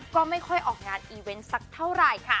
ก็ไม่ค่อยออกงานอีเวนต์สักเท่าไหร่ค่ะ